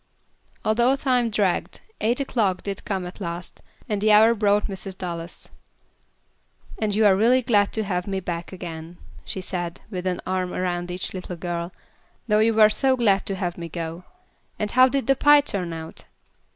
Although time dragged, eight o'clock did come at last, and the hour brought Mrs. Dallas. "And you are really glad to have me back again," she said, with an arm around each little girl, "though you were so glad to have me go. And how did the pie turn out?"